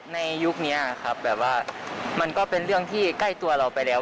ในยุคนี้ครับแบบว่ามันก็เป็นเรื่องที่ใกล้ตัวเราไปแล้ว